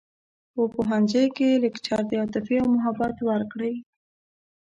په پوهنځیوکې لکچر د عاطفې او محبت ورکړی